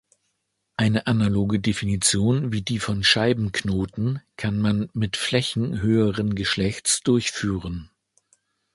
Eine analoge Definition wie die von Scheibenknoten kann man mit Flächen höheren Geschlechts durchführen.